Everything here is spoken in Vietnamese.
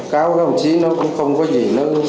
các ông chí nó cũng không có gì